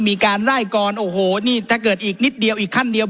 มีการไล่กรโอ้โหนี่ถ้าเกิดอีกนิดเดียวอีกขั้นเดียว